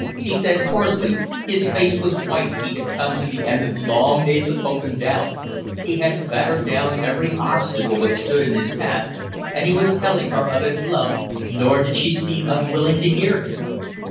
he said hoarsely; his face was white, he had come to the end of long days of hope and doubt; he had battered down every obstacle that stood in his path and he was telling her of his love, nor did she seem unwilling to hear him.